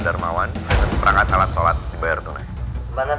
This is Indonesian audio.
darmawan seperangkat alat sholat dibayar tunai